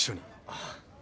あっ。